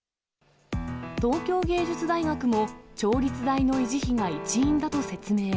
東京藝術大学も、調律代の維持費が一因だと説明。